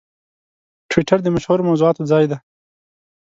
ټویټر د مشهورو موضوعاتو ځای دی.